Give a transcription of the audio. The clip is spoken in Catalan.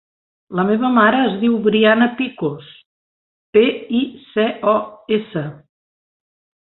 La meva mare es diu Briana Picos: pe, i, ce, o, essa.